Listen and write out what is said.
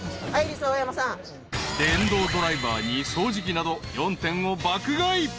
［電動ドライバーに掃除機など４点を爆買い］